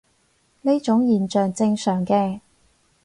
呢種現象正常嘅